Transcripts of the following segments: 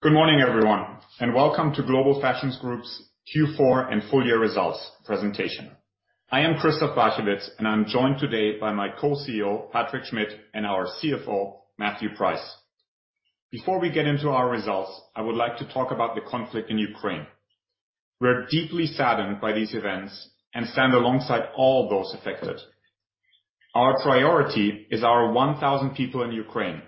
Good morning, everyone, and welcome to Global Fashion Group's Q4 and full year results presentation. I am Christoph Barchewitz, and I'm joined today by my Co-CEO, Patrick Schmidt, and our CFO, Matthew Price. Before we get into our results, I would like to talk about the conflict in Ukraine. We're deeply saddened by these events and stand alongside all those affected. Our priority is our 1,000 people in Ukraine,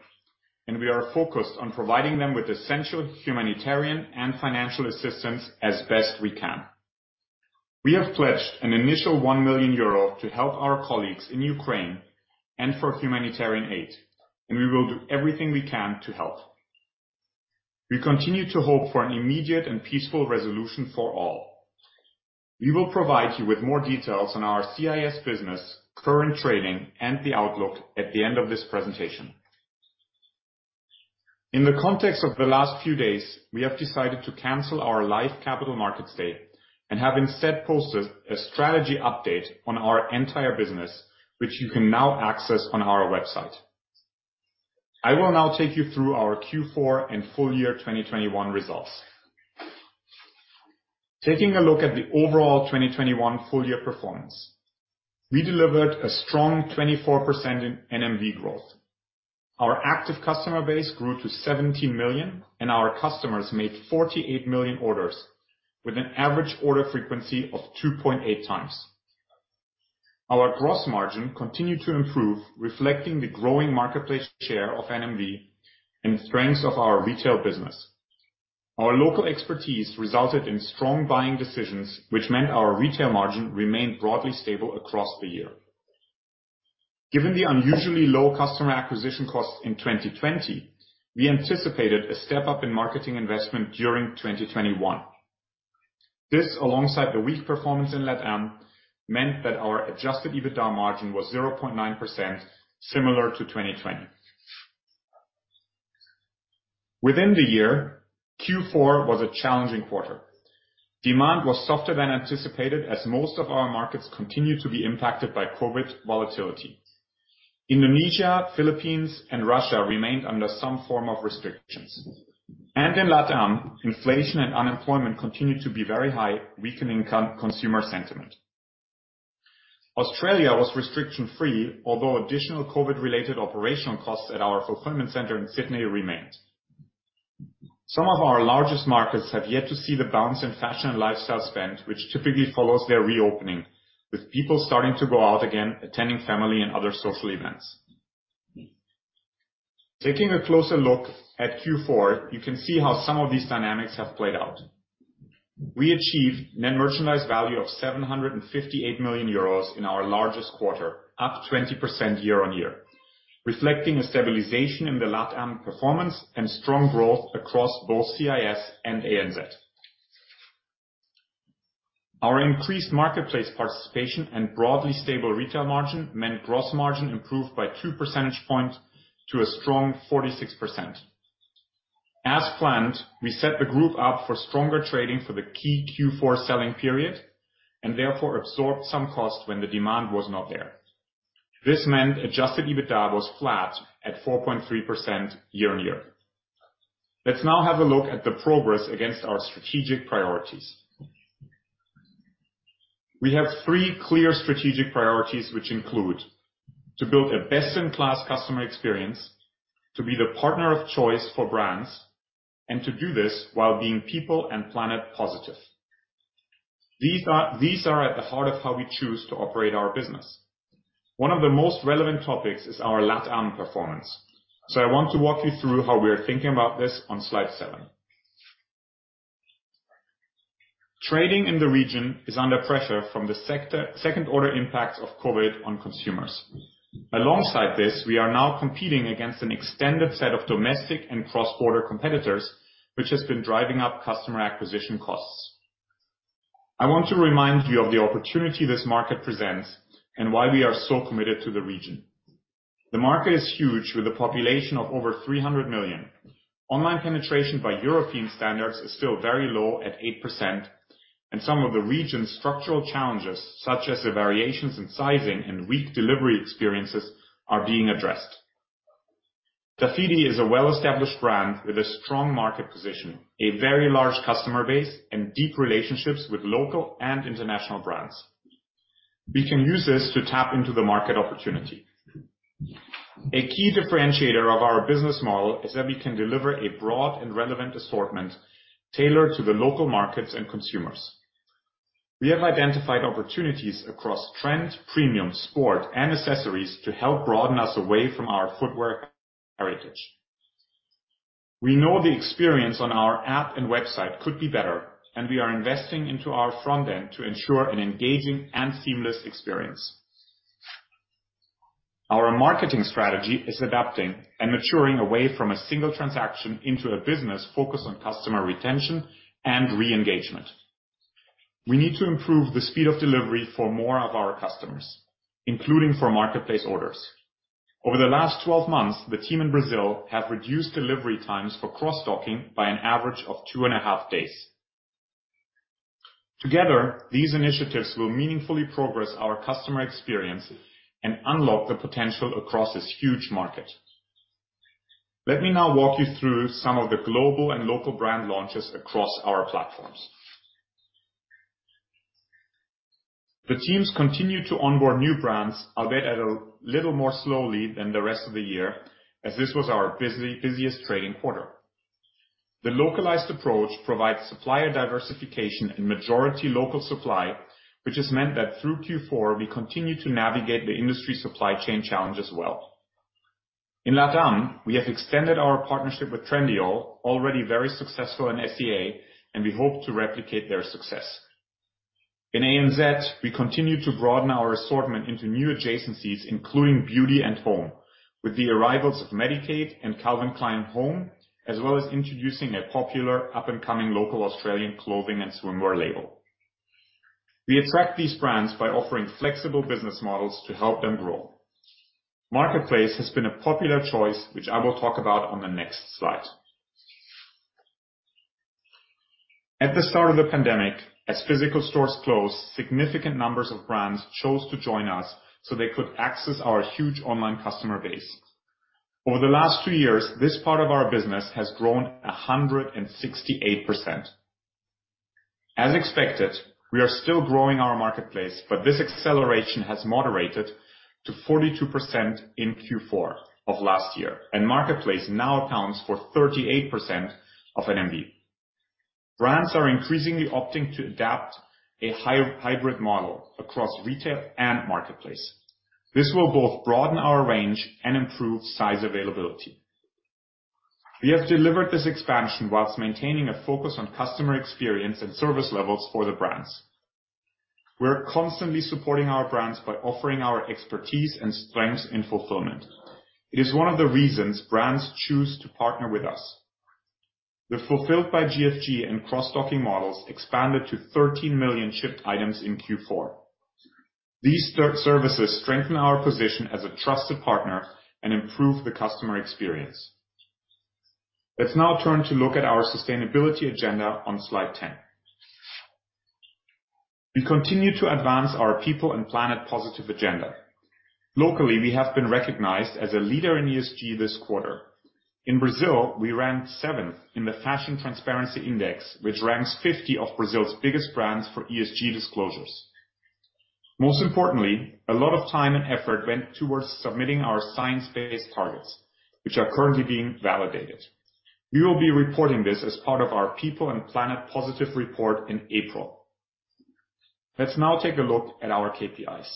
and we are focused on providing them with essential humanitarian and financial assistance as best we can. We have pledged an initial 1 million euro to help our colleagues in Ukraine and for humanitarian aid, and we will do everything we can to help. We continue to hope for an immediate and peaceful resolution for all. We will provide you with more details on our CIS business, current trading, and the outlook at the end of this presentation. In the context of the last few days, we have decided to cancel our live capital markets day and have instead posted a strategy update on our entire business, which you can now access on our website. I will now take you through our Q4 and full year 2021 results. Taking a look at the overall 2021 full year performance, we delivered a strong 24% in NMV growth. Our active customer base grew to 70 million, and our customers made 48 million orders with an average order frequency of 2.8x. Our gross margin continued to improve, reflecting the growing marketplace share of NMV and the strengths of our retail business. Our local expertise resulted in strong buying decisions, which meant our retail margin remained broadly stable across the year. Given the unusually low customer acquisition costs in 2020, we anticipated a step-up in marketing investment during 2021. This, alongside the weak performance in LATAM, meant that our Adjusted EBITDA margin was 0.9%, similar to 2020. Within the year, Q4 was a challenging quarter. Demand was softer than anticipated as most of our markets continued to be impacted by COVID volatility. Indonesia, Philippines, and Russia remained under some form of restrictions. In LATAM, inflation and unemployment continued to be very high, weakening consumer sentiment. Australia was restriction-free, although additional COVID-related operational costs at our fulfillment center in Sydney remained. Some of our largest markets have yet to see the bounce in fashion and lifestyle spend, which typically follows their reopening, with people starting to go out again, attending family and other social events. Taking a closer look at Q4, you can see how some of these dynamics have played out. We achieved net merchandise value of 758 million euros in our largest quarter, up 20% year-on-year, reflecting a stabilization in the LATAM performance and strong growth across both CIS and ANZ. Our increased marketplace participation and broadly stable retail margin meant gross margin improved by two percentage points to a strong 46%. As planned, we set the group up for stronger trading for the key Q4 selling period and therefore absorbed some cost when the demand was not there. This meant adjusted EBITDA was flat at 4.3% year-on-year. Let's now have a look at the progress against our strategic priorities. We have three clear strategic priorities which include: to build a best-in-class customer experience, to be the partner of choice for brands, and to do this while being People and Planet Positive. These are at the heart of how we choose to operate our business. One of the most relevant topics is our LATAM performance. I want to walk you through how we are thinking about this on Slide seven. Trading in the region is under pressure from the sector, second order impact of COVID on consumers. Alongside this, we are now competing against an extended set of domestic and cross-border competitors, which has been driving up customer acquisition costs. I want to remind you of the opportunity this market presents and why we are so committed to the region. The market is huge with a population of over 300 million. Online penetration by European standards is still very low at 8%, and some of the region's structural challenges, such as the variations in sizing and weak delivery experiences, are being addressed. Dafiti is a well-established brand with a strong market position, a very large customer base, and deep relationships with local and international brands. We can use this to tap into the market opportunity. A key differentiator of our business model is that we can deliver a broad and relevant assortment tailored to the local markets and consumers. We have identified opportunities across trend, premium, sport, and accessories to help broaden us away from our footwear heritage. We know the experience on our app and website could be better, and we are investing into our front end to ensure an engaging and seamless experience. Our marketing strategy is adapting and maturing away from a single transaction into a business focused on customer retention and re-engagement. We need to improve the speed of delivery for more of our customers, including for marketplace orders. Over the last 12 months, the team in Brazil have reduced delivery times for cross-docking by an average of 2.5 days. Together, these initiatives will meaningfully progress our customer experience and unlock the potential across this huge market. Let me now walk you through some of the global and local brand launches across our platforms. The teams continue to onboard new brands, albeit a little more slowly than the rest of the year, as this was our busiest trading quarter. The localized approach provides supplier diversification and majority local supply, which has meant that through Q4, we continue to navigate the industry supply chain challenge as well. In LATAM, we have extended our partnership with Trendyol, already very successful in SEA, and we hope to replicate their success. In ANZ, we continue to broaden our assortment into new adjacencies, including beauty and home, with the arrivals of MECCA and Calvin Klein Home, as well as introducing a popular up-and-coming local Australian clothing and swimwear label. We attract these brands by offering flexible business models to help them grow. Marketplace has been a popular choice, which I will talk about on the next slide. At the start of the pandemic, as physical stores closed, significant numbers of brands chose to join us so they could access our huge online customer base. Over the last two years, this part of our business has grown 168%. As expected, we are still growing our marketplace, but this acceleration has moderated to 42% in Q4 of last year, and Marketplace now accounts for 38% of NMV. Brands are increasingly opting to adapt a hybrid model across retail and marketplace. This will both broaden our range and improve size availability. We have delivered this expansion while maintaining a focus on customer experience and service levels for the brands. We're constantly supporting our brands by offering our expertise and strengths in fulfillment. It is one of the reasons brands choose to partner with us. The fulfilled by GFG and cross-docking models expanded to 13 million shipped items in Q4. These services strengthen our position as a trusted partner and improve the customer experience. Let's now turn to look at our sustainability agenda on Slide 10. We continue to advance our People and Planet Positive Agenda. Locally, we have been recognized as a leader in ESG this quarter. In Brazil, we ranked seventh in the Fashion Transparency Index, which ranks 50 of Brazil's biggest brands for ESG disclosures. Most importantly, a lot of time and effort went towards submitting our science-based targets, which are currently being validated. We will be reporting this as part of our People and Planet Positive Report in April. Let's now take a look at our KPIs.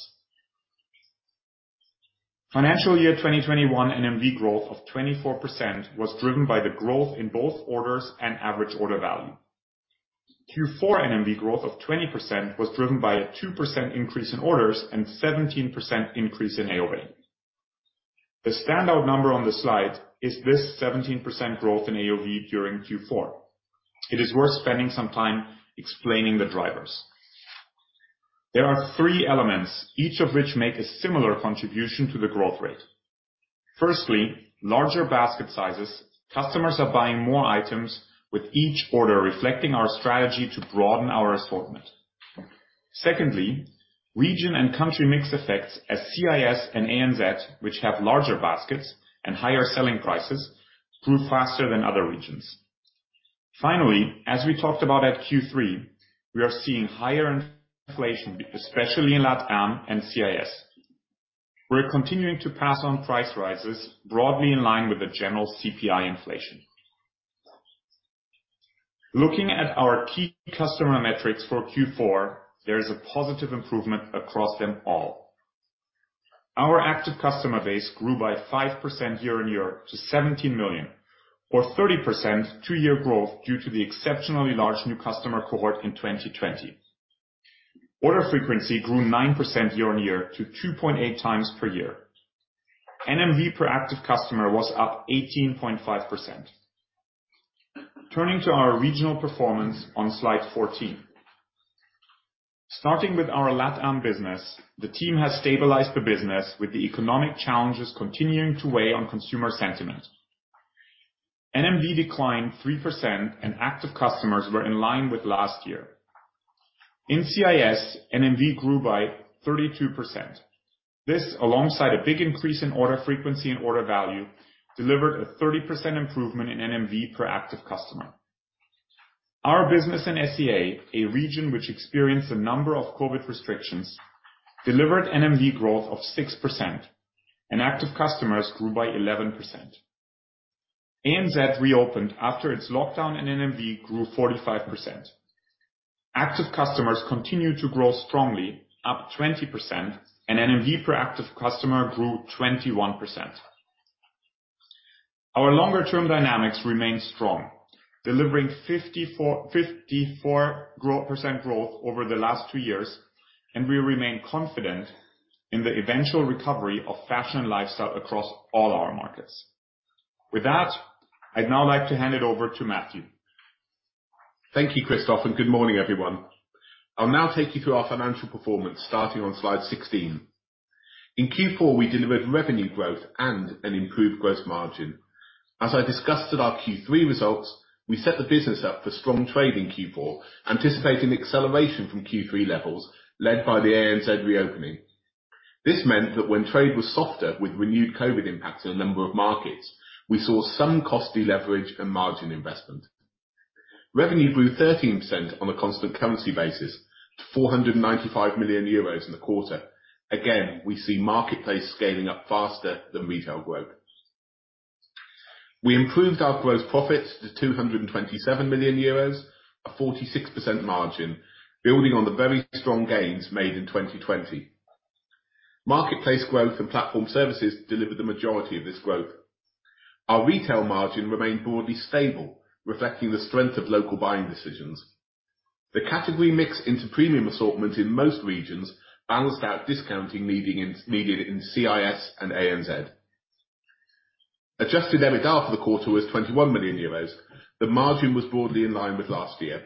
Financial year 2021 NMV growth of 24% was driven by the growth in both orders and average order value. Q4 NMV growth of 20% was driven by a 2% increase in orders and 17% increase in AOV. The standout number on the slide is this 17% growth in AOV during Q4. It is worth spending some time explaining the drivers. There are three elements, each of which make a similar contribution to the growth rate. Firstly, larger basket sizes. Customers are buying more items with each order reflecting our strategy to broaden our assortment. Secondly, region and country mix effects as CIS and ANZ, which have larger baskets and higher selling prices, grew faster than other regions. Finally, as we talked about at Q3, we are seeing higher inflation, especially in LATAM and ANZ. We're continuing to pass on price rises broadly in line with the general CPI inflation. Looking at our key customer metrics for Q4, there is a positive improvement across them all. Our active customer base grew by 5% year-on-year to 17 million or 30% two-year growth due to the exceptionally large new customer cohort in 2020. Order frequency grew 9% year-on-year to 2.8x per year. NMV per active customer was up 18.5%. Turning to our regional performance on Slide 14. Starting with our LATAM business, the team has stabilized the business with the economic challenges continuing to weigh on consumer sentiment. NMV declined 3% and active customers were in line with last year. In CIS, NMV grew by 32%. This, alongside a big increase in order frequency and order value, delivered a 30% improvement in NMV per active customer. Our business in SEA, a region which experienced a number of COVID restrictions, delivered NMV growth of 6% and active customers grew by 11%. ANZ reopened after its lockdown, and NMV grew 45%. Active customers continued to grow strongly, up 20% and NMV per active customer grew 21%. Our longer-term dynamics remain strong, delivering 54% growth over the last two years, and we remain confident in the eventual recovery of fashion and lifestyle across all our markets. With that, I'd now like to hand it over to Matthew. Thank you, Christoph, and good morning, everyone. I'll now take you through our financial performance, starting on Slide 16. In Q4, we delivered revenue growth and an improved gross margin. As I discussed at our Q3 results, we set the business up for strong trade in Q4, anticipating acceleration from Q3 levels led by the ANZ reopening. This meant that when trade was softer with renewed COVID impacts in a number of markets, we saw some cost deleverage and margin investment. Revenue grew 13% on a constant currency basis to 495 million euros in the quarter. Again, we see marketplace scaling up faster than retail growth. We improved our gross profits to 227 million euros, a 46% margin, building on the very strong gains made in 2020. Marketplace growth and platform services delivered the majority of this growth. Our retail margin remained broadly stable, reflecting the strength of local buying decisions. The category mix into premium assortment in most regions balanced out discounting needed in CIS and ANZ. Adjusted EBITDA for the quarter was EUR 21 million. The margin was broadly in line with last year.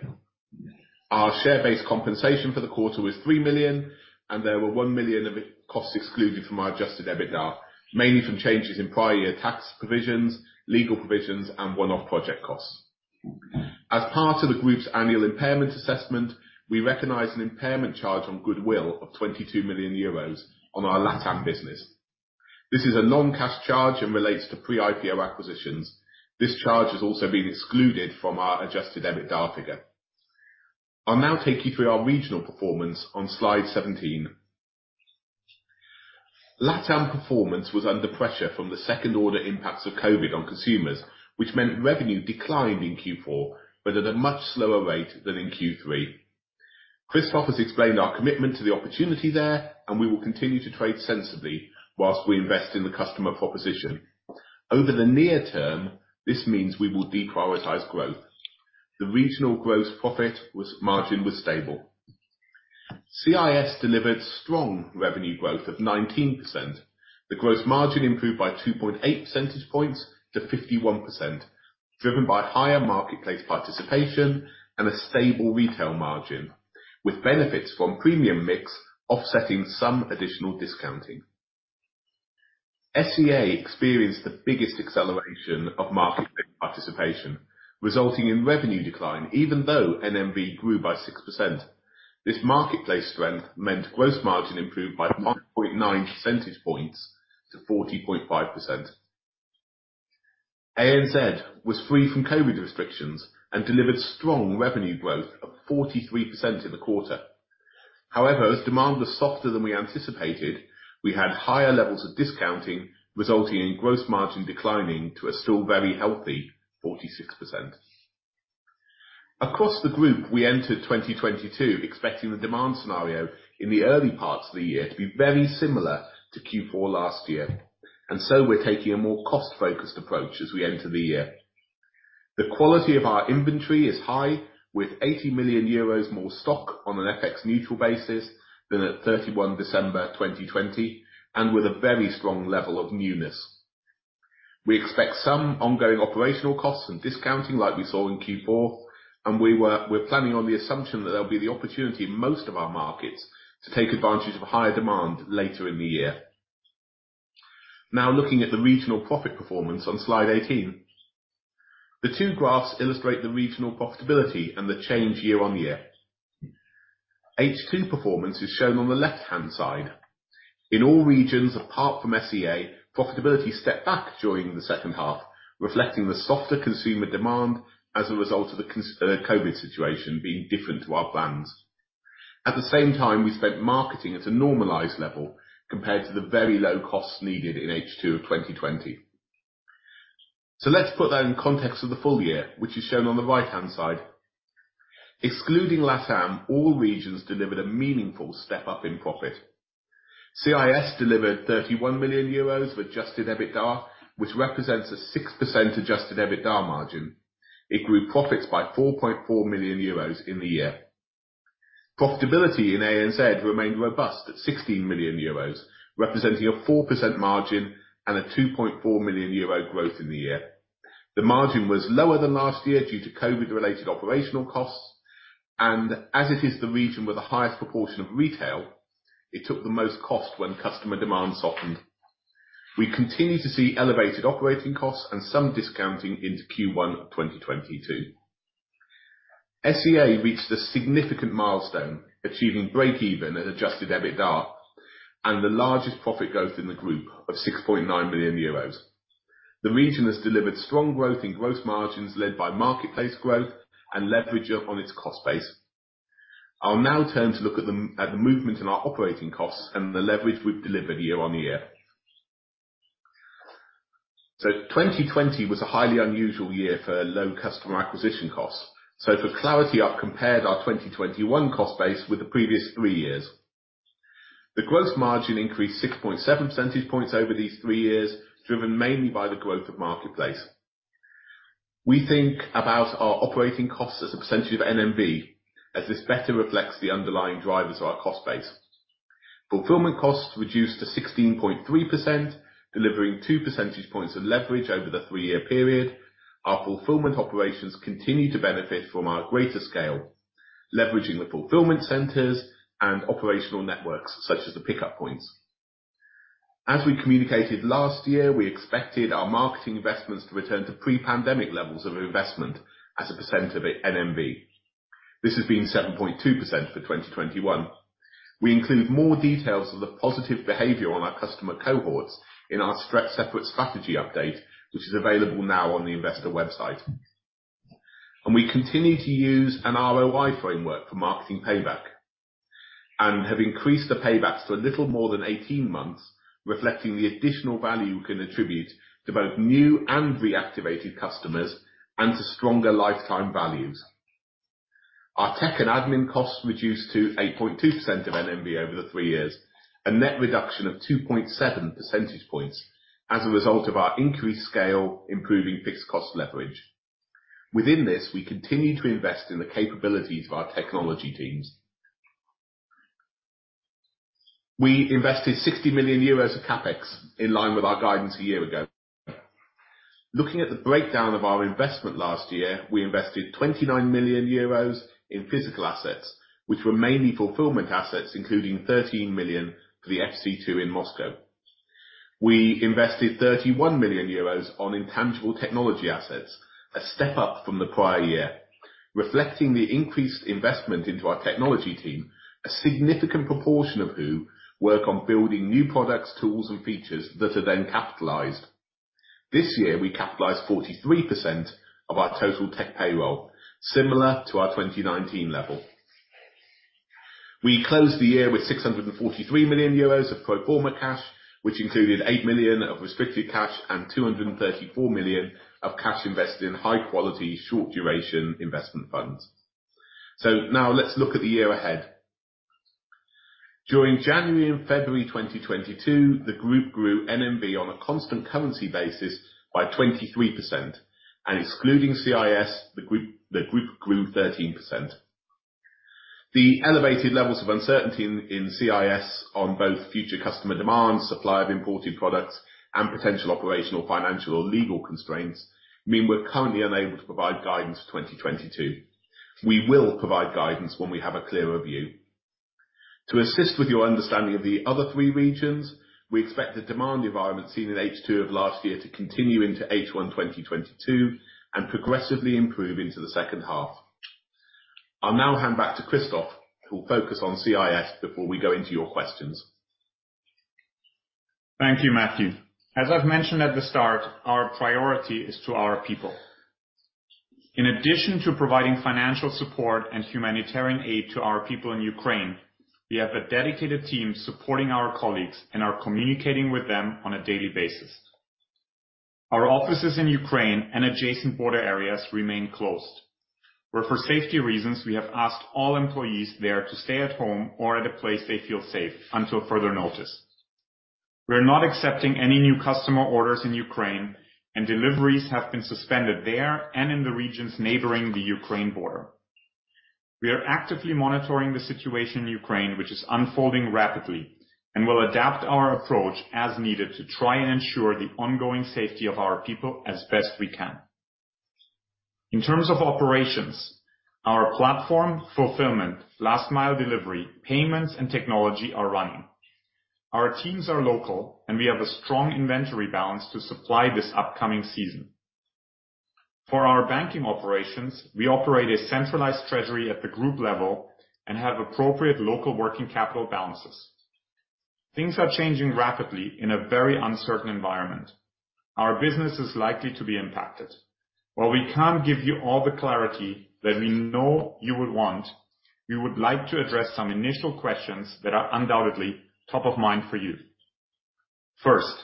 Our share-based compensation for the quarter was 3 million, and there were 1 million of IT costs excluded from our adjusted EBITDA, mainly from changes in prior year tax provisions, legal provisions, and one-off project costs. As part of the group's annual impairment assessment, we recognized an impairment charge on goodwill of 22 million euros on our LATAM business. This is a non-cash charge and relates to pre-IPO acquisitions. This charge has also been excluded from our Adjusted EBITDA figure. I'll now take you through our regional performance on Slide 17. LATAM performance was under pressure from the second order impacts of Covid on consumers, which meant revenue declined in Q4, but at a much slower rate than in Q3. Christoph has explained our commitment to the opportunity there, and we will continue to trade sensibly while we invest in the customer proposition. Over the near term, this means we will deprioritize growth. The regional gross margin was stable. CIS delivered strong revenue growth of 19%. The gross margin improved by 2.8 percentage points to 51%, driven by higher marketplace participation and a stable retail margin, with benefits from premium mix offsetting some additional discounting. SEA experienced the biggest acceleration of marketplace participation, resulting in revenue decline, even though NMV grew by 6%. This marketplace strength meant gross margin improved by 1.9 percentage points to 40.5%. ANZ was free from COVID restrictions and delivered strong revenue growth of 43% in the quarter. However, as demand was softer than we anticipated, we had higher levels of discounting, resulting in gross margin declining to a still very healthy 46%. Across the group, we entered 2022 expecting the demand scenario in the early parts of the year to be very similar to Q4 last year, and so we're taking a more cost-focused approach as we enter the year. The quality of our inventory is high, with 80 million euros more stock on an FX neutral basis than at 31 December, 2020, and with a very strong level of newness. We expect some ongoing operational costs and discounting like we saw in Q4, and we're planning on the assumption that there'll be the opportunity in most of our markets to take advantage of higher demand later in the year. Now looking at the regional profit performance on Slide 18. The two graphs illustrate the regional profitability and the change year-on-year. H2 performance is shown on the left-hand side. In all regions, apart from SEA, profitability stepped back during the second half, reflecting the softer consumer demand as a result of the COVID situation being different to our plans. At the same time, we spent marketing at a normalized level compared to the very low costs needed in H2 of 2020. Let's put that in context of the full year, which is shown on the right-hand side. Excluding LATAM, all regions delivered a meaningful step up in profit. CIS delivered 31 million euros of adjusted EBITDA, which represents a 6% adjusted EBITDA margin. It grew profits by 4.4 million euros in the year. Profitability in ANZ remained robust at 16 million euros, representing a 4% margin and a 2.4 million euro growth in the year. The margin was lower than last year due to COVID-related operational costs, and as it is the region with the highest proportion of retail, it took the most cost when customer demand softened. We continue to see elevated operating costs and some discounting into Q1 of 2022. SEA reached a significant milestone, achieving break-even at adjusted EBITDA and the largest profit growth in the group of 6.9 million euros. The region has delivered strong growth in growth margins led by marketplace growth and leverage up on its cost base. I'll now turn to look at the movement in our operating costs and the leverage we've delivered year on year. 2020 was a highly unusual year for low customer acquisition costs. For clarity, I've compared our 2021 cost base with the previous three years. The growth margin increased 6.7 percentage points over these three years, driven mainly by the growth of marketplace. We think about our operating costs as a percentage of NMV, as this better reflects the underlying drivers of our cost base. Fulfillment costs reduced to 16.3%, delivering 2 percentage points of leverage over the three-year period. Our fulfillment operations continue to benefit from our greater scale, leveraging the fulfillment centers and operational networks such as the pickup points. As we communicated last year, we expected our marketing investments to return to pre-pandemic levels of investment as a percent of NMV. This has been 7.2% for 2021. We include more details of the positive behavior on our customer cohorts in our separate strategy update, which is available now on the investor website. We continue to use an ROI framework for marketing payback and have increased the paybacks to a little more than 18 months, reflecting the additional value we can attribute to both new and reactivated customers and to stronger lifetime values. Our tech and admin costs reduced to 8.2% of NMV over the three years, a net reduction of 2.7 percentage points as a result of our increased scale improving fixed cost leverage. Within this, we continue to invest in the capabilities of our technology teams. We invested 60 million euros of CapEx in line with our guidance a year ago. Looking at the breakdown of our investment last year, we invested 29 million euros in physical assets, which were mainly fulfillment assets, including 13 million for the FC2 in Moscow. We invested 31 million euros on intangible technology assets, a step up from the prior year, reflecting the increased investment into our technology team, a significant proportion of who work on building new products, tools and features that are then capitalized. This year, we capitalized 43% of our total tech payroll, similar to our 2019 level. We closed the year with 643 million euros of pro forma cash, which included 8 million of restricted cash and 234 million of cash invested in high quality, short duration investment funds. Now let's look at the year ahead. During January and February 2022, the group grew NMV on a constant currency basis by 23%. Excluding CIS, the group grew 13%. The elevated levels of uncertainty in CIS on both future customer demand, supply of imported products, and potential operational, financial or legal constraints mean we're currently unable to provide guidance for 2022. We will provide guidance when we have a clearer view. To assist with your understanding of the other three regions, we expect the demand environment seen in H2 of last year to continue into H1 2022 and progressively improve into the second half. I'll now hand back to Christoph, who will focus on CIS before we go into your questions. Thank you, Matthew. As I've mentioned at the start, our priority is to our people. In addition to providing financial support and humanitarian aid to our people in Ukraine, we have a dedicated team supporting our colleagues and are communicating with them on a daily basis. Our offices in Ukraine and adjacent border areas remain closed, where, for safety reasons, we have asked all employees there to stay at home or at a place they feel safe until further notice. We are not accepting any new customer orders in Ukraine, and deliveries have been suspended there and in the regions neighboring the Ukraine border. We are actively monitoring the situation in Ukraine, which is unfolding rapidly, and will adapt our approach as needed to try and ensure the ongoing safety of our people as best we can. In terms of operations, our platform, fulfillment, last mile delivery, payments and technology are running. Our teams are local and we have a strong inventory balance to supply this upcoming season. For our banking operations, we operate a centralized treasury at the group level and have appropriate local working capital balances. Things are changing rapidly in a very uncertain environment. Our business is likely to be impacted. While we can't give you all the clarity that we know you would want, we would like to address some initial questions that are undoubtedly top of mind for you. First,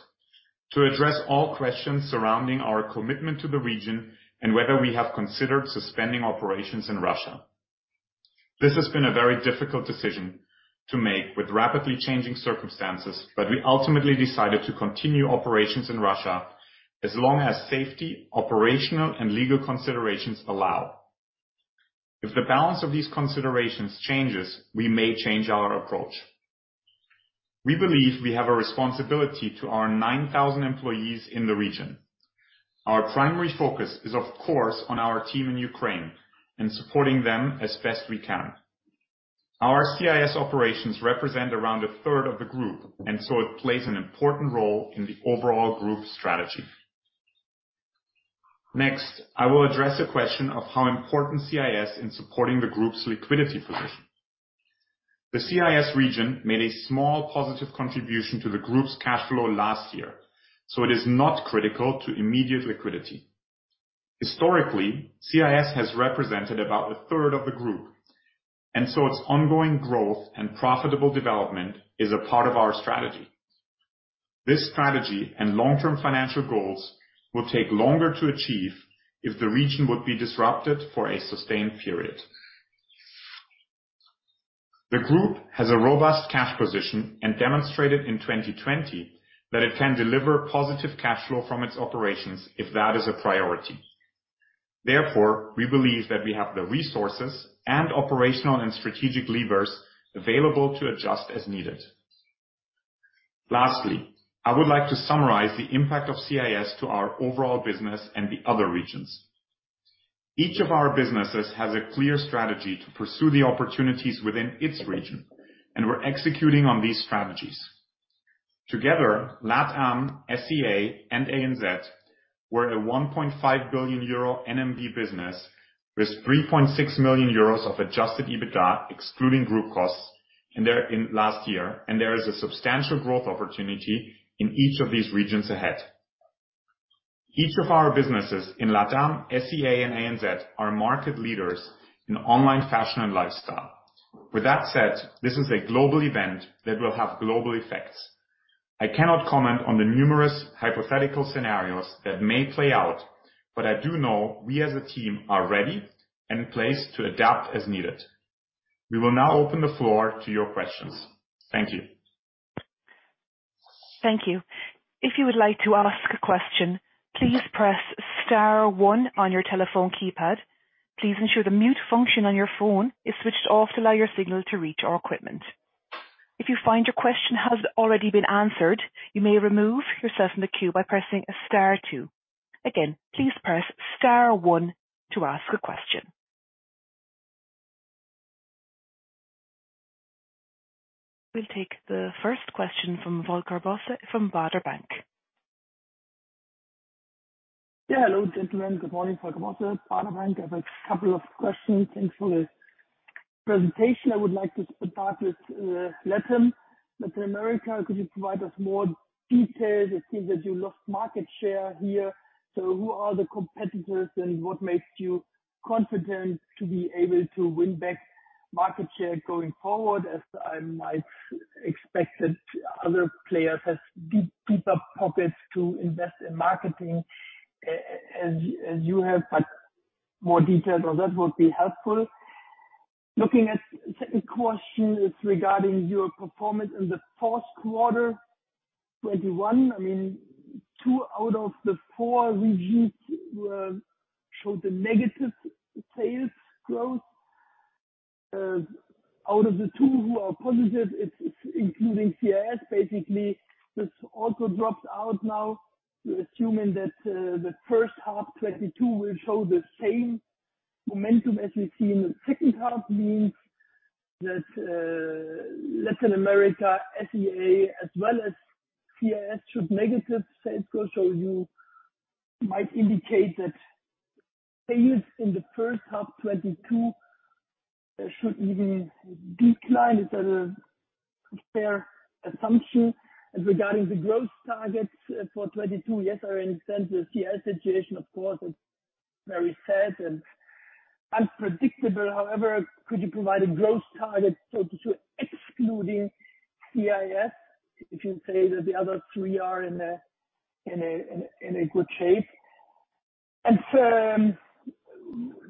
to address all questions surrounding our commitment to the region and whether we have considered suspending operations in Russia. This has been a very difficult decision to make with rapidly changing circumstances. We ultimately decided to continue operations in Russia as long as safety, operational, and legal considerations allow. If the balance of these considerations changes, we may change our approach. We believe we have a responsibility to our 9,000 employees in the region. Our primary focus is, of course, on our team in Ukraine and supporting them as best we can. Our CIS operations represent around a third of the group, and so it plays an important role in the overall group strategy. Next, I will address the question of how important CIS is in supporting the group's liquidity position. The CIS region made a small positive contribution to the group's cash flow last year, so it is not critical to immediate liquidity. Historically, CIS has represented about a third of the group, and so its ongoing growth and profitable development is a part of our strategy. This strategy and long-term financial goals will take longer to achieve if the region would be disrupted for a sustained period. The group has a robust cash position and demonstrated in 2020 that it can deliver positive cash flow from its operations if that is a priority. Therefore, we believe that we have the resources and operational and strategic levers available to adjust as needed. Lastly, I would like to summarize the impact of CIS to our overall business and the other regions. Each of our businesses has a clear strategy to pursue the opportunities within its region, and we're executing on these strategies. Together, LATAM, SEA, and ANZ were a 1.5 billion euro NMV business with 3.6 million euros of adjusted EBITDA, excluding group costs in last year. There is a substantial growth opportunity in each of these regions ahead. Each of our businesses in LATAM, SEA, and ANZ are market leaders in online fashion and lifestyle. With that said, this is a global event that will have global effects. I cannot comment on the numerous hypothetical scenarios that may play out, but I do know we as a team are ready and placed to adapt as needed. We will now open the floor to your questions. Thank you. Thank you. If you would like to ask a question, please press star one on your telephone keypad. Please ensure the mute function on your phone is switched off to allow your signal to reach our equipment. If you find your question has already been answered, you may remove yourself from the queue by pressing star two. Again, please press star one to ask a question. We'll take the first question from Volker Bosse from Baader Bank. Yeah. Hello, gentlemen. Good morning, Volker Bosse, Baader Bank. I have a couple of questions. Thanks for the presentation. I would like to start with LATAM. Latin America, could you provide us more details? It seems that you lost market share here. Who are the competitors, and what makes you confident to be able to win back market share going forward, as I might expect that other players have deeper pockets to invest in marketing as you have, but more details on that would be helpful. Looking at second question is regarding your performance in the fourth quarter 2021. I mean, two out of the four regions showed a negative sales growth. Out of the two who are positive, it's including CIS. Basically, this also drops out now, assuming that the first half 2022 will show the same momentum as we see in the second half, means that Latin America, SEA, as well as CIS should negative sales growth. You might indicate that sales in the first half 2022 should even decline. Is that a fair assumption? Regarding the growth targets for 2022, yes, I understand the CIS situation, of course, is very sad and unpredictable. However, could you provide a growth target so to excluding CIS, if you say that the other three are in a good shape?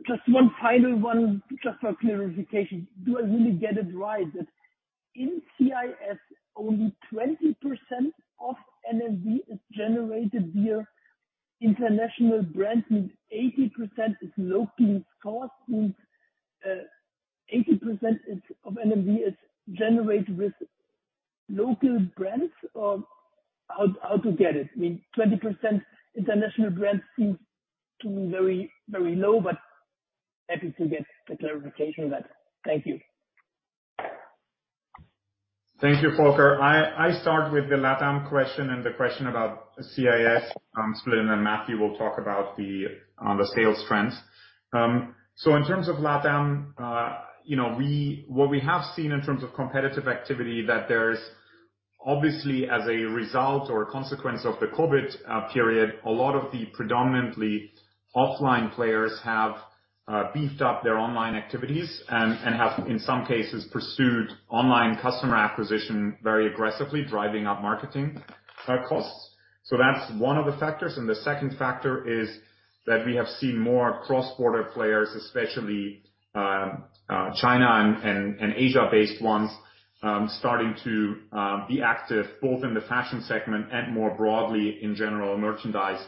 Just one final one just for clarification. Do I really get it right that in CIS, only 20% of NMV is generated via international brands, 80% of NMV is generated with local brands or how to get it? I mean, 20% international brands seems to be very, very low, but I'm happy to get a clarification of that. Thank you. Thank you, Volker. I start with the LATAM question and the question about CIS split, and then Matthew will talk about the sales trends. In terms of LATAM, you know, we have seen in terms of competitive activity that there's obviously as a result or consequence of the COVID period, a lot of the predominantly offline players have beefed up their online activities, and have, in some cases, pursued online customer acquisition very aggressively, driving up marketing costs. That's one of the factors. The second factor is that we have seen more cross-border players, especially, China and Asia-based ones, starting to be active both in the fashion segment and more broadly in general merchandise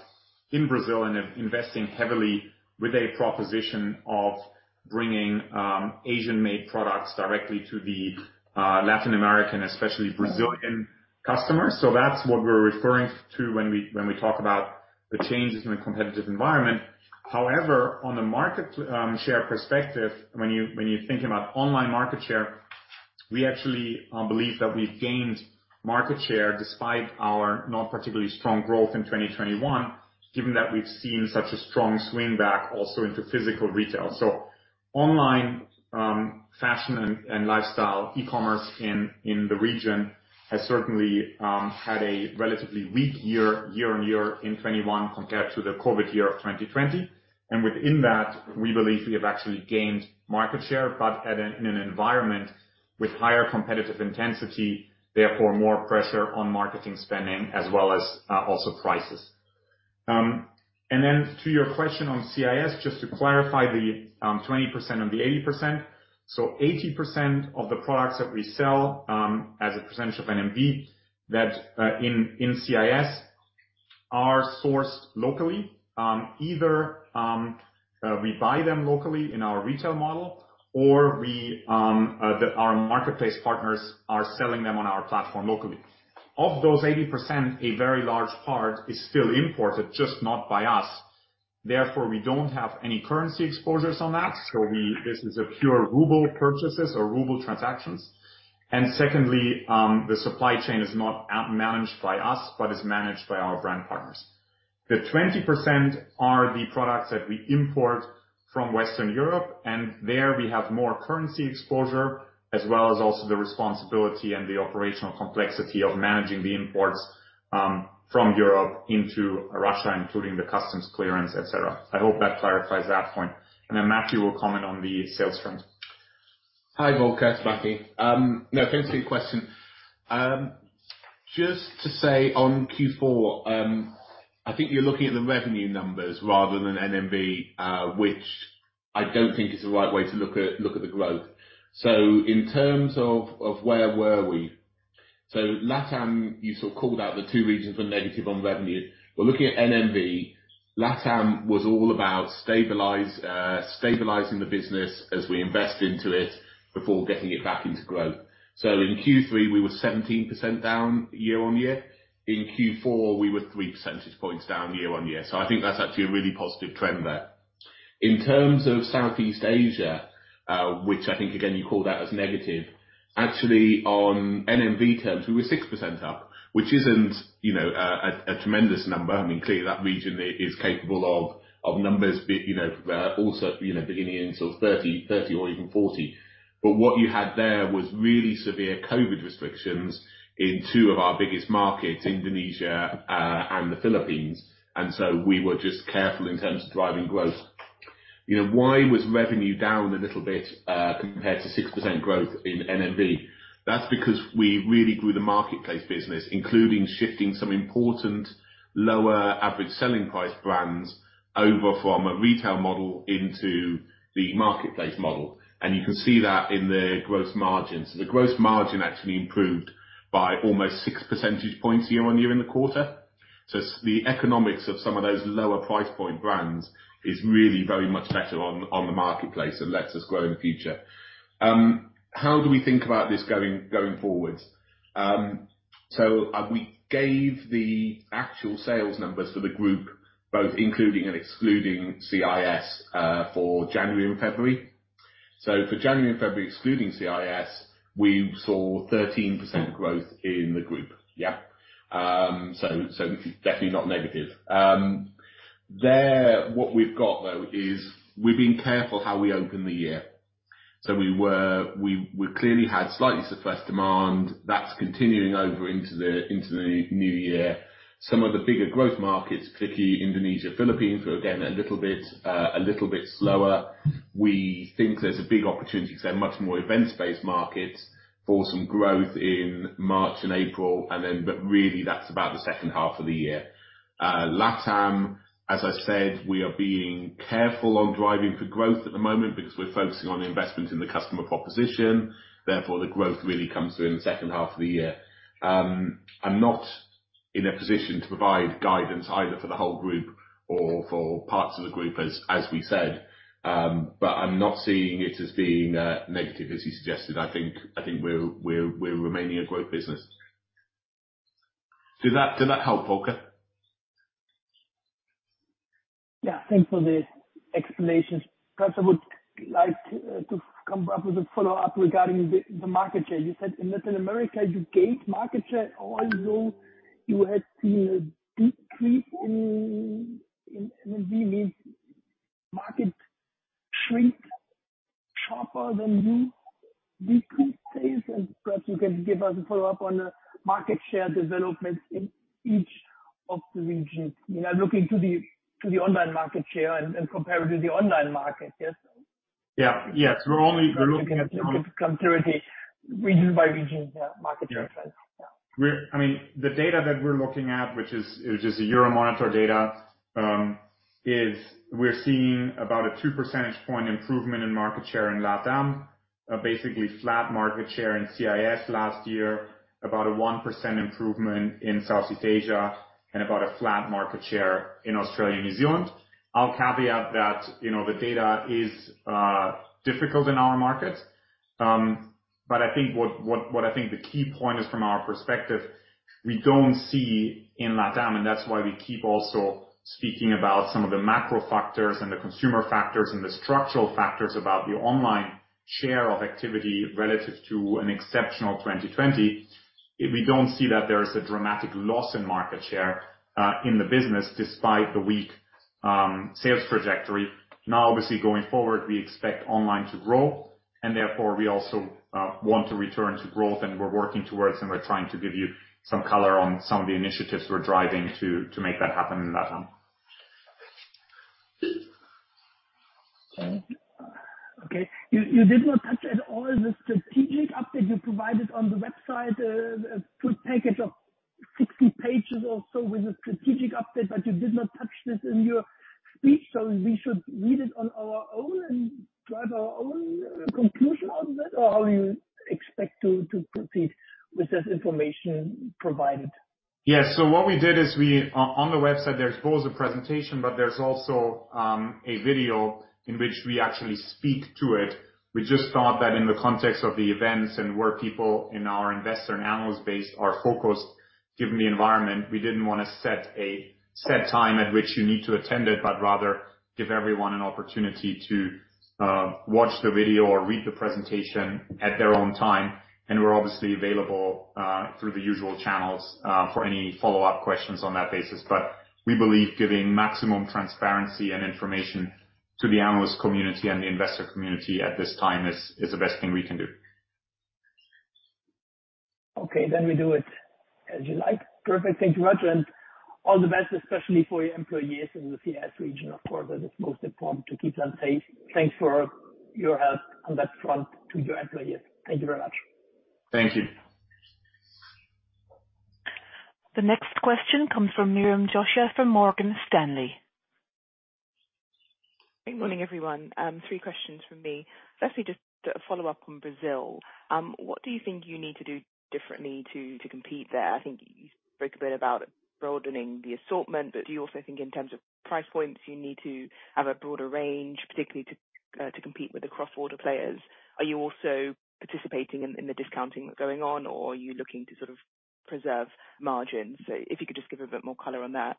in Brazil and investing heavily with a proposition of bringing Asian-made products directly to the Latin American, especially Brazilian customers. That's what we're referring to when we talk about the changes in the competitive environment. However, on the market share perspective, when you're thinking about online market share, we actually believe that we've gained market share despite our not particularly strong growth in 2021, given that we've seen such a strong swing back also into physical retail. Online fashion and lifestyle e-commerce in the region has certainly had a relatively weak year-over-year in 2021 compared to the COVID year of 2020. Within that, we believe we have actually gained market share, but in an environment with higher competitive intensity, therefore more pressure on marketing spending as well as also prices. To your question on CIS, just to clarify the 20% and the 80%. 80% of the products that we sell as a percentage of NMV that in CIS are sourced locally. Either we buy them locally in our retail model or our marketplace partners are selling them on our platform locally. Of those 80%, a very large part is still imported, just not by us. Therefore, we don't have any currency exposures on that. This is a pure ruble purchases or ruble transactions. Secondly, the supply chain is not outsourced by us, but is managed by our brand partners. The 20% are the products that we import from Western Europe, and there we have more currency exposure, as well as also the responsibility and the operational complexity of managing the imports, from Europe into Russia, including the customs clearance, et cetera. I hope that clarifies that point. Then Matthew will comment on the sales front. Hi, Volker, it's Matthew. No, thanks for your question. Just to say on Q4, I think you're looking at the revenue numbers rather than NMV, which I don't think is the right way to look at the growth. In terms of where were we? LATAM, you sort of called out the two regions were negative on revenue. We're looking at NMV, LATAM was all about stabilizing the business as we invest into it before getting it back into growth. In Q3, we were 17% down year-on-year. In Q4, we were three percentage points down year-over-year. I think that's actually a really positive trend there. In terms of Southeast Asia, which I think again you called out as negative, actually on NMV terms, we were 6% up, which isn't, you know, a tremendous number. I mean, clearly that region is capable of numbers, you know, beginning in sort of 30 or even 40. What you had there was really severe COVID restrictions in two of our biggest markets, Indonesia, and the Philippines. We were just careful in terms of driving growth. You know, why was revenue down a little bit compared to 6% growth in NMV? That's because we really grew the marketplace business, including shifting some important lower average selling price brands over from a retail model into the marketplace model. You can see that in the gross margins. The gross margin actually improved by almost 6 percentage points year-on-year in the quarter. The economics of some of those lower price point brands is really very much better on the marketplace and lets us grow in the future. How do we think about this going forward? We gave the actual sales numbers for the group, both including and excluding CIS, for January and February. For January and February, excluding CIS, we saw 13% growth in the group. Yeah. This is definitely not negative. There, what we've got, though, is we've been careful how we open the year. We clearly had slightly suppressed demand. That's continuing over into the new year. Some of the bigger growth markets, particularly Indonesia, Philippines, were again a little bit slower. We think there's a big opportunity 'cause they're much more events-based markets for some growth in March and April and then, but really that's about the second half of the year. LATAM, as I said, we are being careful on driving for growth at the moment because we're focusing on the investment in the customer proposition. Therefore, the growth really comes through in the second half of the year. I'm not in a position to provide guidance either for the whole group or for parts of the group, as we said. But I'm not seeing it as being negative as you suggested. I think we're remaining a growth business. Does that help, Volker? Yeah. Thanks for the explanations. Perhaps I would like to come up with a follow-up regarding the market share. You said in Latin America, you gained market share, although you had seen a decrease in NMV means market shrink sharper than you decreased sales? Perhaps you can give us a follow-up on the market share developments in each of the regions, you know, looking to the online market share and compare it to the online market. Yes. Yeah. Yes. We're looking at- If you could go through region by region, yeah, market share trends. Yeah. I mean, the data that we're looking at, which is Euromonitor data, is we're seeing about a 2 percentage point improvement in market share in LATAM, basically flat market share in CIS last year, about a 1% improvement in Southeast Asia and about a flat market share in Australia and New Zealand. I'll caveat that, you know, the data is difficult in our markets. I think what I think the key point is from our perspective, we don't see in LATAM, and that's why we keep also speaking about some of the macro factors and the consumer factors and the structural factors about the online share of activity relative to an exceptional 2020. We don't see that there is a dramatic loss in market share in the business despite the weak sales trajectory. Now, obviously going forward, we expect online to grow and therefore we also want to return to growth and we're working towards, and we're trying to give you some color on some of the initiatives we're driving to make that happen in LATAM. Sorry. Okay. You did not touch at all the strategic update you provided on the website, a good package of 60 pages or so with a strategic update, but you did not touch this. We should read it on our own and draw our own conclusion out of it, or how you expect to proceed with this information provided? Yes. What we did is we on the website, there's both a presentation, but there's also a video in which we actually speak to it. We just thought that in the context of the events and where people in our investor and analyst base are focused, given the environment, we didn't wanna set a time at which you need to attend it, but rather give everyone an opportunity to watch the video or read the presentation at their own time. We're obviously available through the usual channels for any follow-up questions on that basis. We believe giving maximum transparency and information to the analyst community and the investor community at this time is the best thing we can do. Okay, we do it as you like. Perfect. Thank you very much, and all the best, especially for your employees in the CIS region. Of course, that is most important to keep them safe. Thanks for your help on that front to your employees. Thank you very much. Thank you. The next question comes from Miriam Josiah from Morgan Stanley. Good morning, everyone. Three questions from me. Firstly, just a follow-up on Brazil. What do you think you need to do differently to compete there? I think you spoke a bit about broadening the assortment, but do you also think in terms of price points, you need to have a broader range, particularly to compete with the cross-border players. Are you also participating in the discounting that's going on, or are you looking to sort of preserve margins? If you could just give a bit more color on that.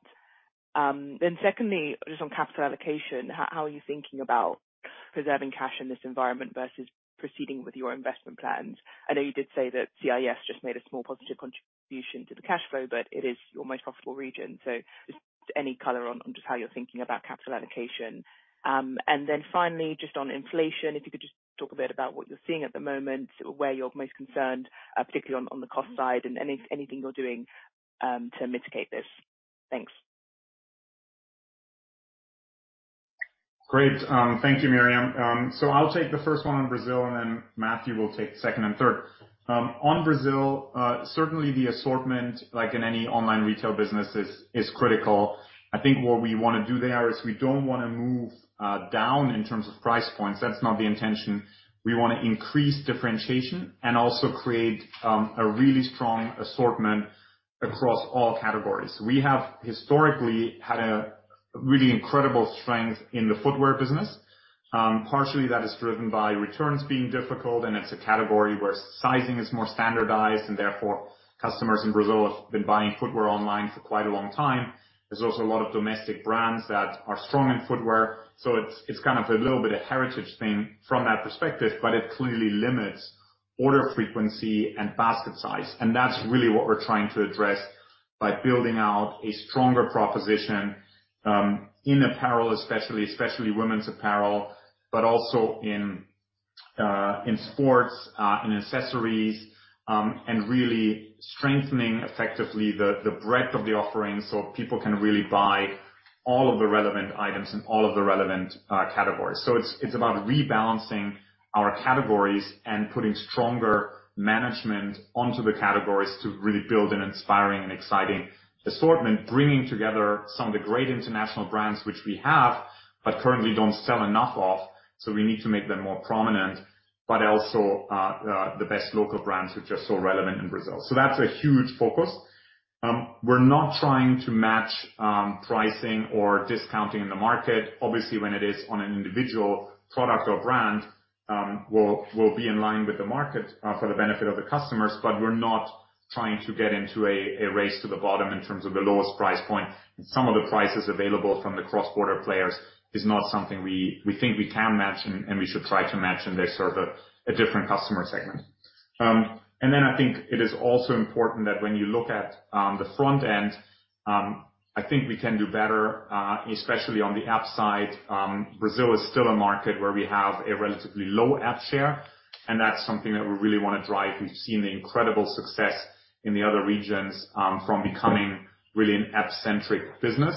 Secondly, just on capital allocation, how are you thinking about preserving cash in this environment versus proceeding with your investment plans? I know you did say that CIS just made a small positive contribution to the cash flow, but it is your most profitable region. Just any color on just how you're thinking about capital allocation. Finally, just on inflation, if you could just talk a bit about what you're seeing at the moment, where you're most concerned, particularly on the cost side and anything you're doing to mitigate this. Thanks. Great. Thank you, Miriam. I'll take the first one on Brazil, and then Matthew will take the second and third. On Brazil, certainly the assortment, like in any online retail business, is critical. I think what we wanna do there is we don't wanna move down in terms of price points. That's not the intention. We wanna increase differentiation and also create a really strong assortment across all categories. We have historically had a really incredible strength in the footwear business. Partially that is driven by returns being difficult, and it's a category where sizing is more standardized and therefore customers in Brazil have been buying footwear online for quite a long time. There's also a lot of domestic brands that are strong in footwear. It's kind of a little bit a heritage thing from that perspective, but it clearly limits order frequency and basket size. That's really what we're trying to address by building out a stronger proposition, in apparel especially women's apparel, but also in sports, in accessories, and really strengthening effectively the breadth of the offerings, so people can really buy all of the relevant items in all of the relevant categories. It's about rebalancing our categories and putting stronger management onto the categories to really build an inspiring and exciting assortment, bringing together some of the great international brands which we have but currently don't sell enough of, so we need to make them more prominent, but also the best local brands which are so relevant in Brazil. That's a huge focus. We're not trying to match pricing or discounting in the market. Obviously, when it is on an individual product or brand, we'll be in line with the market for the benefit of the customers, but we're not trying to get into a race to the bottom in terms of the lowest price point. Some of the prices available from the cross-border players is not something we think we can match and we should try to match. They serve a different customer segment. I think it is also important that when you look at the front end, I think we can do better, especially on the app side. Brazil is still a market where we have a relatively low app share, and that's something that we really wanna drive. We've seen the incredible success in the other regions from becoming really an app-centric business.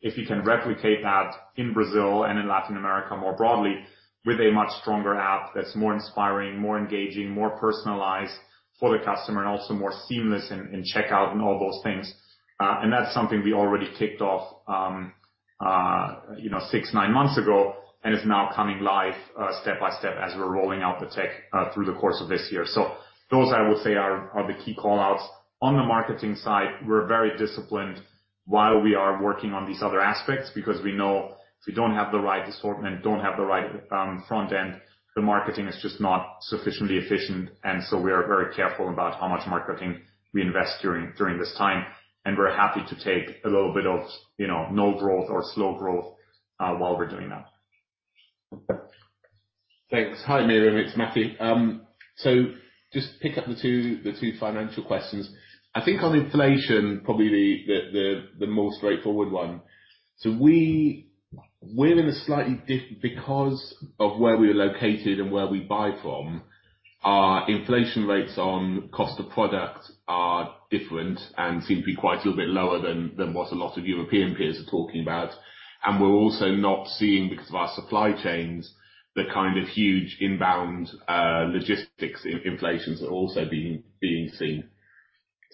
If you can replicate that in Brazil and in Latin America more broadly with a much stronger app that's more inspiring, more engaging, more personalized for the customer and also more seamless in checkout and all those things. That's something we already kicked off you know six to nine months ago, and it's now coming live step by step as we're rolling out the tech through the course of this year. Those, I would say, are the key call-outs. On the marketing side, we're very disciplined while we are working on these other aspects because we know if we don't have the right assortment, don't have the right front end, the marketing is just not sufficiently efficient, and so we are very careful about how much marketing we invest during this time. We're happy to take a little bit of, you know, no growth or slow growth while we're doing that. Thanks. Hi, Miriam. It's Matthew. Just pick up the two financial questions. I think on inflation, probably the more straightforward one. We're in a slightly different because of where we're located and where we buy from, our inflation rates on cost of products are different and seem to be quite a little bit lower than what a lot of European peers are talking about. We're also not seeing, because of our supply chains, the kind of huge inbound logistics inflations that are also being seen.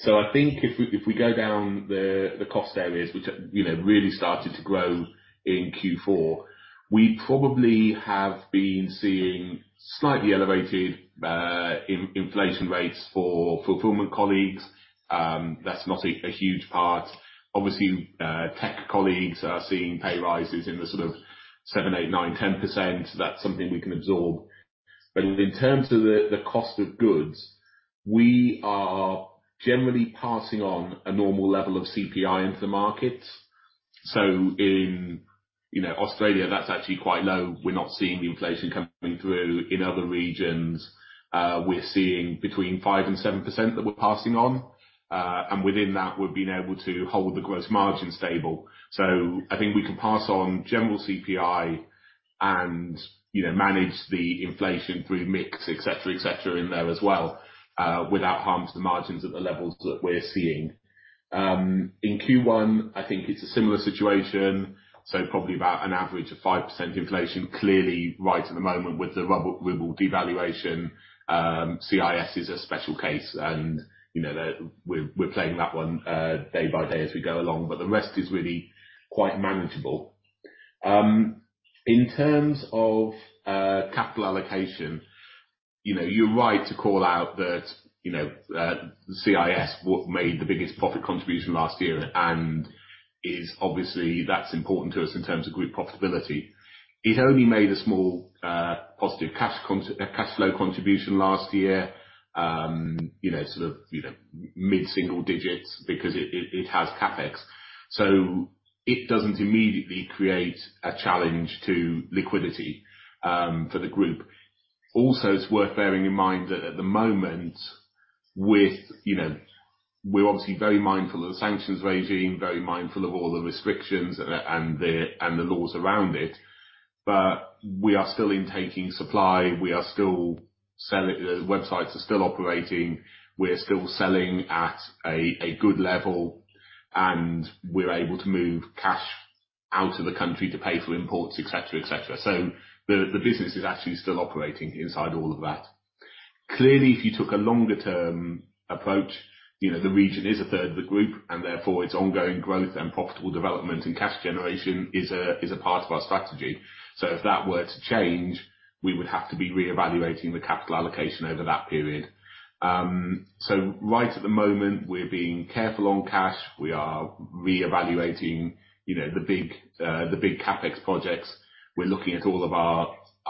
I think if we go down the cost areas which, you know, really started to grow in Q4, we probably have been seeing slightly elevated inflation rates for fulfillment colleagues. That's not a huge part. Obviously, tech colleagues are seeing pay rises in the sort of 7%, 8%, 9%, 10%. That's something we can absorb. In terms of the cost of goods, we are generally passing on a normal level of CPI into the markets. In, you know, Australia, that's actually quite low. We're not seeing the inflation coming through in other regions. We're seeing between 5%-7% that we're passing on. And within that, we've been able to hold the gross margin stable. I think we can pass on general CPI and, you know, manage the inflation through mix et cetera, et cetera, in there as well, without harm to the margins at the levels that we're seeing. In Q1, I think it's a similar situation, so probably about an average of 5% inflation. Clearly, right at the moment with the ruble devaluation, CIS is a special case and, you know, we're playing that one day by day as we go along, but the rest is really quite manageable. In terms of capital allocation, you know, you're right to call out that, you know, CIS what made the biggest profit contribution last year and is obviously that's important to us in terms of group profitability. It only made a small positive cash flow contribution last year, you know, sort of, you know, mid single digits because it has CapEx. It doesn't immediately create a challenge to liquidity for the group. Also, it's worth bearing in mind that at the moment with, you know, we're obviously very mindful of the sanctions regime, very mindful of all the restrictions and the laws around it, but we are still intaking supply. We are still selling. Websites are still operating. We're still selling at a good level, and we're able to move cash out of the country to pay for imports, et cetera, et cetera. The business is actually still operating inside all of that. Clearly, if you took a longer term approach, you know, the region is a third of the group and therefore its ongoing growth and profitable development and cash generation is a part of our strategy. If that were to change, we would have to be reevaluating the capital allocation over that period. So right at the moment we're being careful on cash. We are reevaluating, you know, the big CapEx projects. We're looking at all of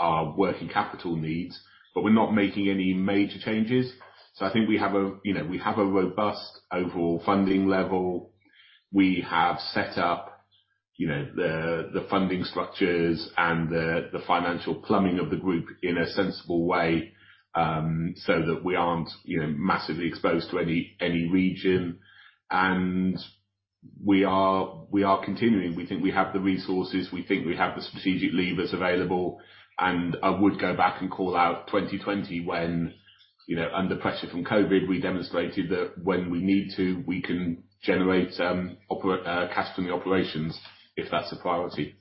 our working capital needs, but we're not making any major changes. So I think we have a, you know, we have a robust overall funding level. We have set up, you know, the funding structures and the financial plumbing of the group in a sensible way, so that we aren't, you know, massively exposed to any region. We are continuing. We think we have the resources, we think we have the strategic levers available. I would go back and call out 2020 when, you know, under pressure from COVID, we demonstrated that when we need to, we can generate cash from the operations if that's a priority.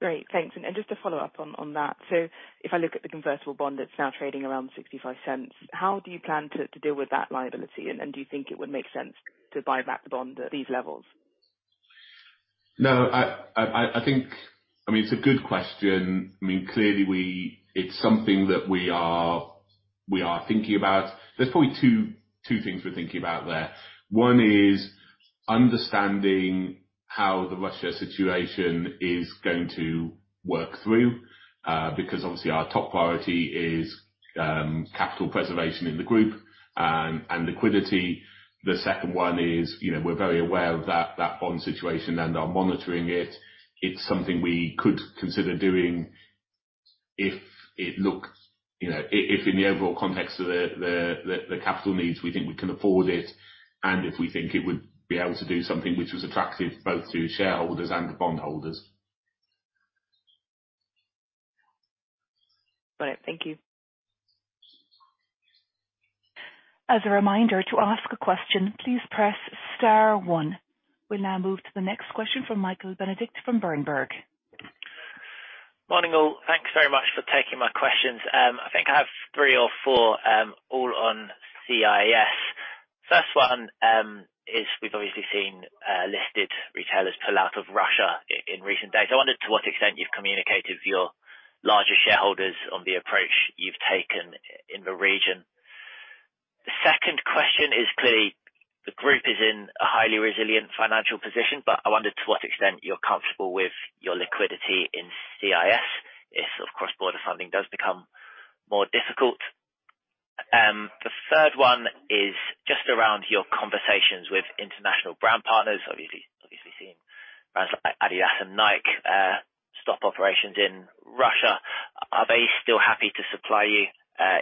Great. Thanks. Just a follow-up on that. So if I look at the convertible bond that's now trading around €0.65, how do you plan to deal with that liability? Do you think it would make sense to buy back the bond at these levels? No, I think. I mean, it's a good question. I mean, clearly it's something that we are thinking about. There's probably two things we're thinking about there. One is understanding how the Russia situation is going to work through, because obviously our top priority is capital preservation in the group and liquidity. The second one is, we're very aware of that bond situation and are monitoring it. It's something we could consider doing if it looks if in the overall context of the capital needs, we think we can afford it and if we think it would be able to do something which was attractive both to shareholders and the bond holders. Got it. Thank you. As a reminder, to ask a question, please press star one. We'll now move to the next question from Michael Benedict from Berenberg. Morning, all. Thanks very much for taking my questions. I think I have three or four, all on CIS. First one, is we've obviously seen, listed retailers pull out of Russia in recent days. I wondered to what extent you've communicated with your larger shareholders on the approach you've taken in the region. The second question is clearly the group is in a highly resilient financial position, but I wondered to what extent you're comfortable with your liquidity in CIS if of course border funding does become more difficult. The third one is just around your conversations with international brand partners. Obviously seeing brands like adidas and Nike, stop operations in Russia. Are they still happy to supply you,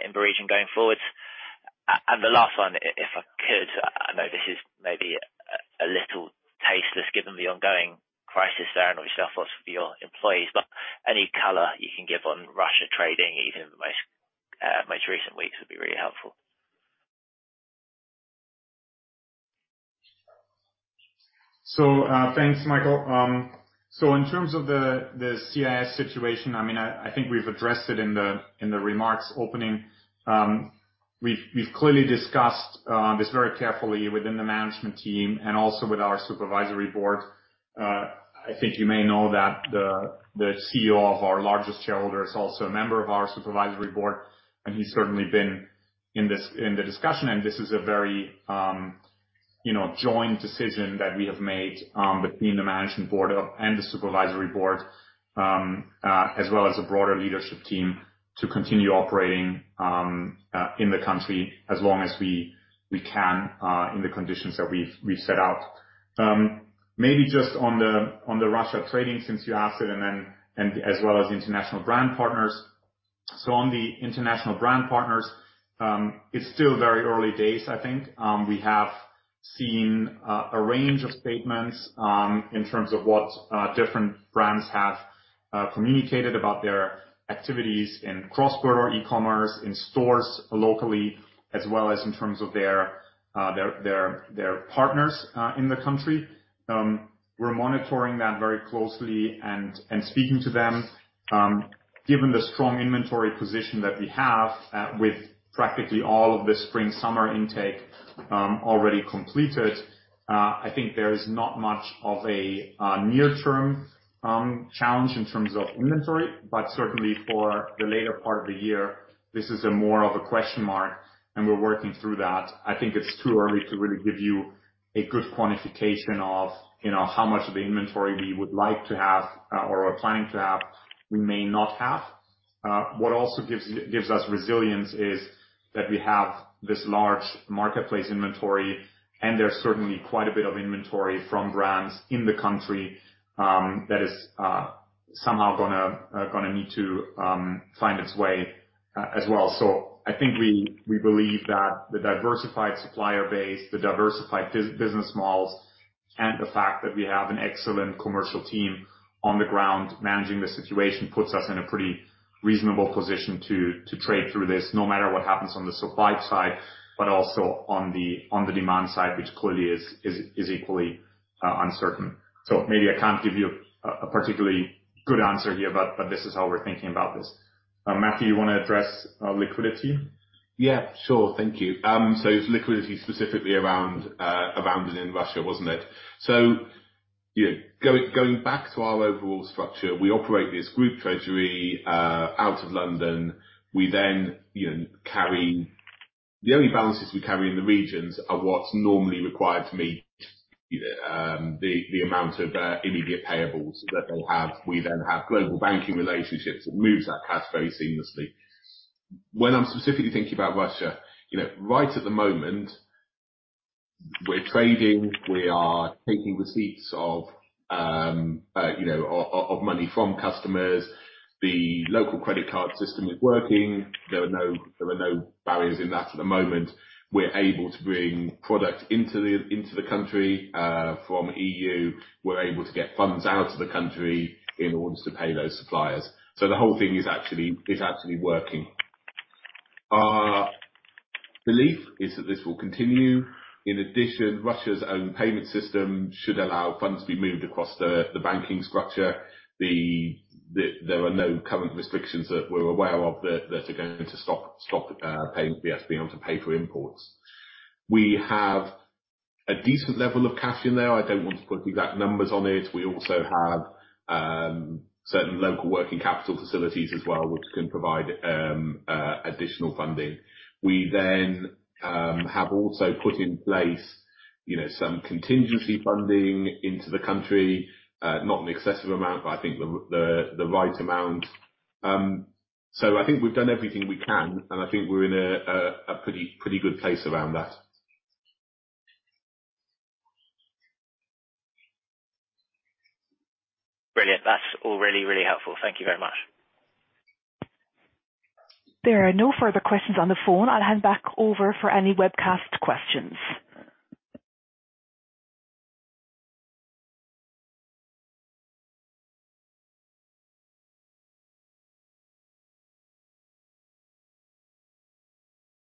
in the region going forward? The last one if I could, I know this is maybe a little tasteless given the ongoing crisis there and obviously our thoughts are with your employees, but any color you can give on Russia trading even in the most recent weeks would be really helpful. Thanks, Michael. In terms of the CIS situation, I mean, I think we've addressed it in the remarks opening. We've clearly discussed this very carefully within the management team and also with our supervisory board. I think you may know that the CEO of our largest shareholder is also a member of our supervisory board, and he's certainly been in this discussion. This is a very, you know, joint decision that we have made between the management board and the supervisory board, as well as a broader leadership team to continue operating in the country as long as we can in the conditions that we've set out. Maybe just on the Russia trading, since you asked it, and then as well as international brand partners. On the international brand partners, it's still very early days, I think. We have seen a range of statements in terms of what different brands have communicated about their activities in cross-border e-commerce, in stores locally, as well as in terms of their partners in the country. We're monitoring that very closely and speaking to them. Given the strong inventory position that we have, with practically all of the spring/summer intake already completed, I think there is not much of a near term challenge in terms of inventory, but certainly for the later part of the year, this is more of a question mark, and we're working through that. I think it's too early to really give you a good quantification of, you know, how much of the inventory we would like to have or are planning to have we may not have. What also gives us resilience is that we have this large marketplace inventory and there's certainly quite a bit of inventory from brands in the country that is somehow gonna need to find its way as well. I think we believe that the diversified supplier base, the diversified business models, and the fact that we have an excellent commercial team on the ground managing the situation puts us in a pretty reasonable position to trade through this no matter what happens on the supply side, but also on the demand side, which clearly is equally uncertain. Maybe I can't give you a particularly good answer here, but this is how we're thinking about this. Matthew, you wanna address liquidity? Yeah, sure. Thank you. It's liquidity specifically around and in Russia, wasn't it? You know, going back to our overall structure, we operate this group treasury out of London. We then, you know, carry the only balances we carry in the regions are what's normally required to meet the amount of immediate payables that they have. We then have global banking relationships that moves that cash very seamlessly. When I'm specifically thinking about Russia, you know, right at the moment we're trading, we are taking receipts of you know, of money from customers. The local credit card system is working. There are no barriers in that at the moment. We're able to bring product into the country from E.U. We're able to get funds out of the country in order to pay those suppliers. The whole thing is actually working. Our belief is that this will continue. In addition, Russia's own payment system should allow funds to be moved across the banking structure. There are no current restrictions that we're aware of that are going to stop us being able to pay for imports. We have a decent level of cash in there. I don't want to put exact numbers on it. We also have certain local working capital facilities as well, which can provide additional funding. We then have also put in place, you know, some contingency funding into the country. Not an excessive amount, but I think the right amount. I think we've done everything we can, and I think we're in a pretty good place around that. Brilliant. That's all really, really helpful. Thank you very much. There are no further questions on the phone. I'll hand back over for any webcast questions.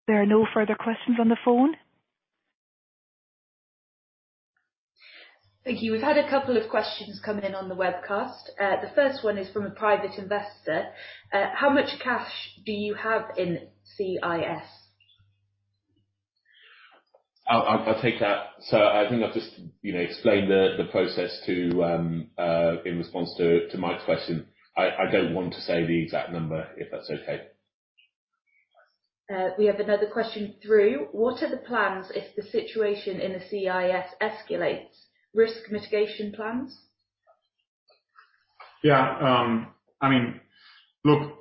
There are no further questions on the phone. Thank you. We've had a couple of questions come in on the webcast. The first one is from a private investor. How much cash do you have in CIS? I'll take that. I think I've just, you know, explained the process in response to Mike's question. I don't want to say the exact number, if that's okay. We have another question through. What are the plans if the situation in the CIS escalates? Risk mitigation plans? Yeah. I mean, look,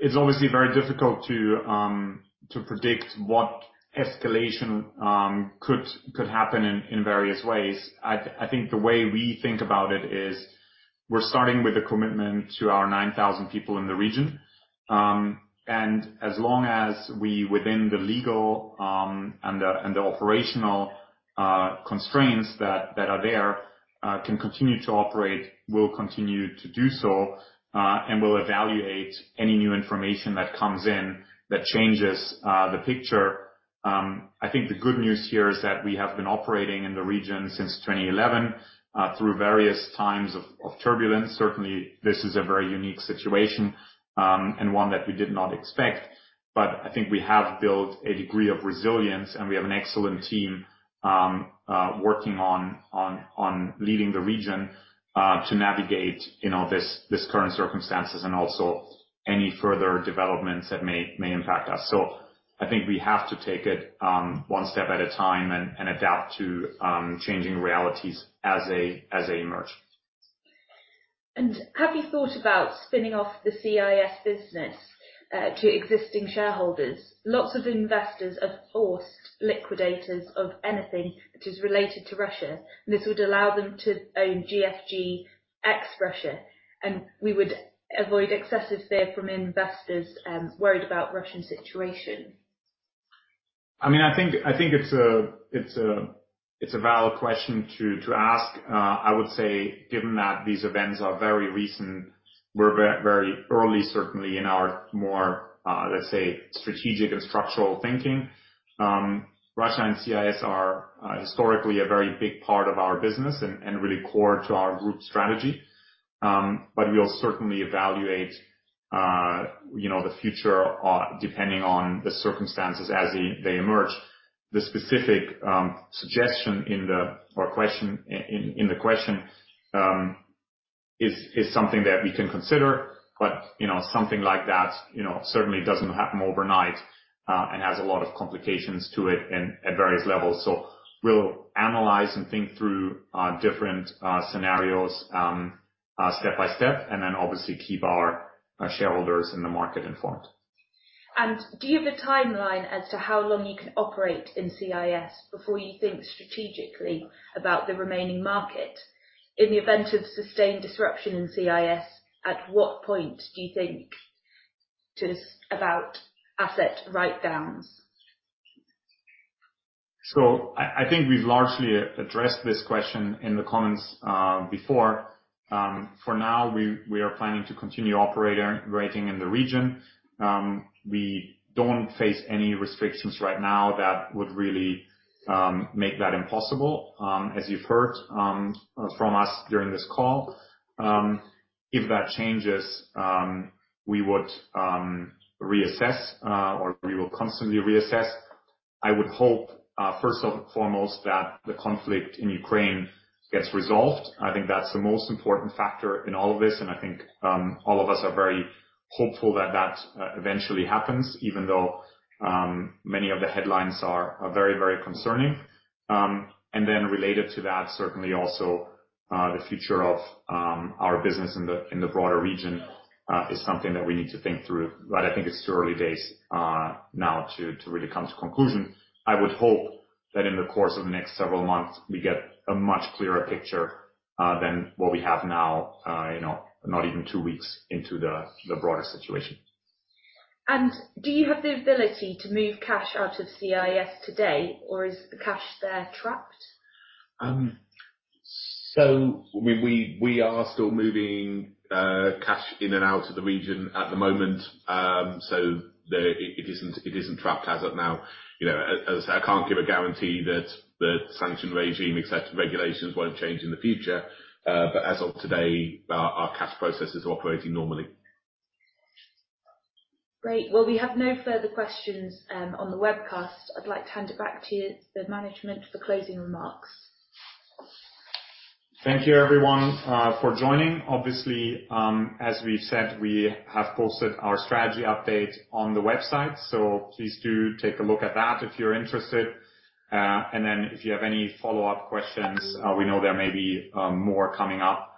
it's obviously very difficult to predict what escalation could happen in various ways. I think the way we think about it is we're starting with a commitment to our 9,000 people in the region. As long as we, within the legal and the operational constraints that are there, can continue to operate, we'll continue to do so. We'll evaluate any new information that comes in that changes the picture. I think the good news here is that we have been operating in the region since 2011 through various times of turbulence. Certainly, this is a very unique situation, and one that we did not expect. I think we have built a degree of resilience, and we have an excellent team working on leading the region to navigate, you know, this current circumstances and also any further developments that may impact us. I think we have to take it one step at a time and adapt to changing realities as they emerge. Have you thought about spinning off the CIS business to existing shareholders? Lots of investors have forced liquidations of anything which is related to Russia. This would allow them to own GFG ex-Russia, and we would avoid excessive fear from investors worried about Russian situation. I mean, I think it's a valid question to ask. I would say, given that these events are very recent, we're very early, certainly in our more, let's say, strategic and structural thinking. Russia and CIS are historically a very big part of our business and really core to our group strategy. We'll certainly evaluate, you know, the future, depending on the circumstances as they emerge. The specific suggestion in the question is something that we can consider. You know, something like that, you know, certainly doesn't happen overnight, and has a lot of complications to it and at various levels. We'll analyze and think through different scenarios step by step, and then obviously keep our shareholders in the market informed. Do you have a timeline as to how long you can operate in CIS before you think strategically about the remaining market? In the event of sustained disruption in CIS, at what point do you think about just asset write-downs? I think we've largely addressed this question in the comments before. For now, we are planning to continue operating in the region. We don't face any restrictions right now that would really make that impossible, as you've heard from us during this call. If that changes, we would reassess or we will constantly reassess. I would hope first and foremost that the conflict in Ukraine gets resolved. I think that's the most important factor in all of this, and I think all of us are very hopeful that that eventually happens, even though many of the headlines are very concerning. Related to that, certainly also the future of our business in the broader region is something that we need to think through. I think it's too early days now to really come to a conclusion. I would hope that in the course of the next several months, we get a much clearer picture than what we have now, you know, not even two weeks into the broader situation. Do you have the ability to move cash out of CIS today, or is the cash there trapped? We are still moving cash in and out of the region at the moment. It isn't trapped as of now. You know, as I say, I can't give a guarantee that the sanctions regime except regulations won't change in the future. As of today, our cash processes are operating normally. Great. Well, we have no further questions on the webcast. I'd like to hand it back to you, the management, for closing remarks. Thank you, everyone, for joining. Obviously, as we've said, we have posted our strategy update on the website, so please do take a look at that if you're interested. If you have any follow-up questions, we know there may be more coming up,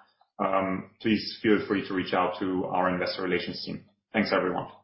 please feel free to reach out to our investor relations team. Thanks, everyone.